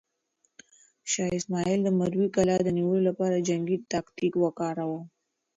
شاه اسماعیل د مروې کلا د نیولو لپاره جنګي تاکتیک وکاراوه.